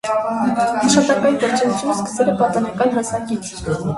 Աշխատանքային գործունեությունը սկսել է պատանեկան հասակից։